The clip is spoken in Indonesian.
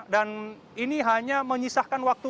dan ini hanya menyisahkan waktu